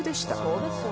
そうですよね。